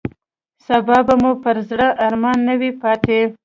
سبا به مو پر زړه ارمان نه وي پاتې.